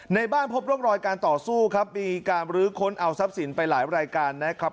ในบ้านพบร่องรอยการต่อสู้ครับมีการบรื้อค้นเอาทรัพย์สินไปหลายรายการนะครับ